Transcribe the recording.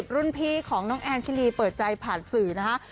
รุ่นพี่ของน้องแอนชิลีเปิดใจผ่านสื่อนะคะ